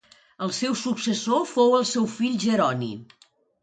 El seu successor fou el seu fill Jeroni.